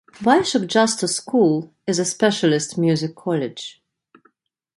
Bishop Justus School is a specialist Music College.